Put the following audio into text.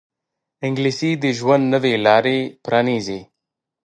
انګلیسي د ژوند نوې لارې پرانیزي